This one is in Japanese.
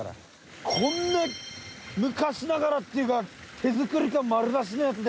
こんな昔ながらっていうか手作り感丸出しのやつで。